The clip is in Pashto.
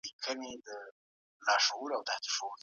ایا نوي کروندګر وچ انار پروسس کوي؟